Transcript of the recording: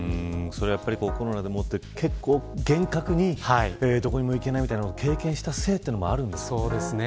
コロナで結構、厳格にどこにも行けないみたいなものを経験したせいもあるんですかね。